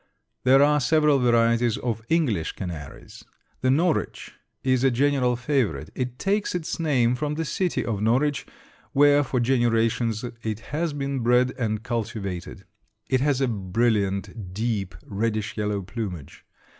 There are several varieties of English canaries. The Norwich is a general favorite. It takes its name from the city of Norwich, where for generations it has been bred and cultivated. It has a brilliant, deep, reddish yellow plumage.